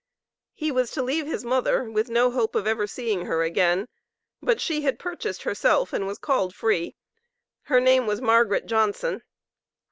He was to leave his mother, with no hope of ever seeing her again, but she had purchased herself and was called free. Her name was Margaret Johnson.